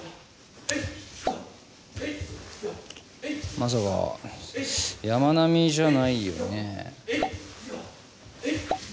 まさか山南じゃないよねえ？